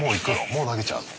もう投げちゃうの？